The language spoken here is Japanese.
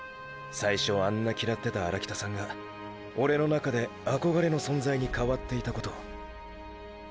最初あんな嫌ってた荒北さんがオレの中で憧れの存在に変わっていたことを。